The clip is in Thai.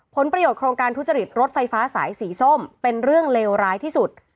ผลประโยชนโครงการทุจริตรถไฟฟ้าสายสีส้มเป็นเรื่องเลวร้ายที่สุด